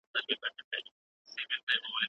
لکه ناآرامه ماشوم شپه ورځ مسلسل ژاړي